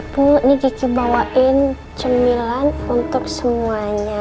bu ini cuci bawain cemilan untuk semuanya